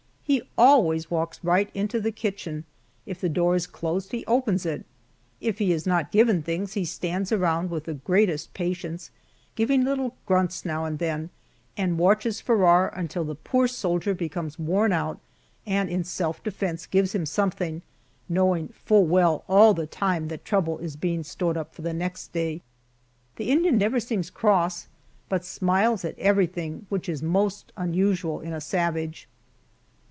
He always walks right into the kitchen; if the door is closed he opens it. If he is not given things he stands around with the greatest patience, giving little grunts now and then, and watches Farrar until the poor soldier becomes worn out and in self defense gives him something, knowing full well all the time that trouble is being stored up for the next day. The Indian never seems cross, but smiles at everything, which is most unusual in a savage.